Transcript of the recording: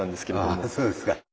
ああそうですか。